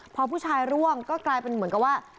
พอผู้ชายร่วงก็กลายเป็นเหมือนกับว่า